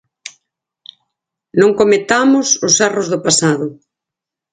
Non cometamos os erros do pasado.